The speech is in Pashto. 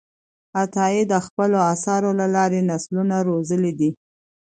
عطایي د خپلو آثارو له لارې نسلونه روزلي دي.